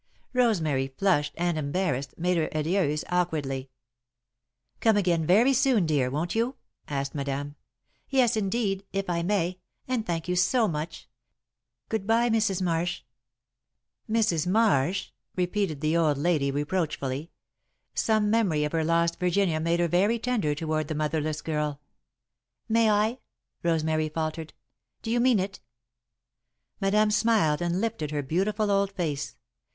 Rosemary, flushed and embarrassed, made her adieus awkwardly. "Come again very soon, dear, won't you?" asked Madame. "Yes, indeed, if I may, and thank you so much. Good bye, Mrs. Marsh." "'Mrs. Marsh?'" repeated the old lady, reproachfully. Some memory of her lost Virginia made her very tender toward the motherless girl. "May I?" Rosemary faltered. "Do you mean it?" Madame smiled and lifted her beautiful old face.